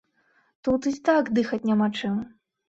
Тут і так дыхаць няма чым!